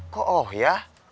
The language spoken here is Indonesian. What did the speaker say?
kok oh ya